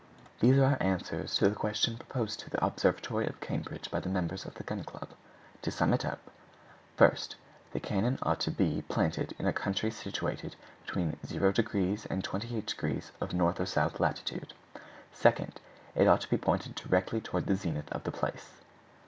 These are our answers to the questions proposed to the Observatory of Cambridge by the members of the Gun Club:— To sum up— 1st. The cannon ought to be planted in a country situated between 0° and 28° of N. or S. lat. 2nd. It ought to be pointed directly toward the zenith of the place.